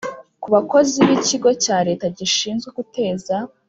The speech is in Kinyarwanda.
ku bakozi b Ikigo cya Leta Gishinzwe Guteza